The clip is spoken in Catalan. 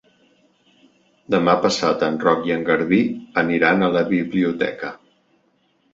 Demà passat en Roc i en Garbí aniran a la biblioteca.